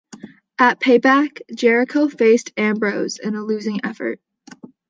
At Payback, Jericho faced Ambrose in a losing effort.